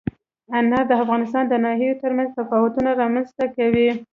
انار د افغانستان د ناحیو ترمنځ تفاوتونه رامنځ ته کوي.